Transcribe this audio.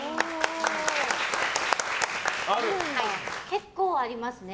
結構ありますね。